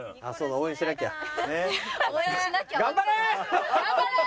「応援しなきゃ」は。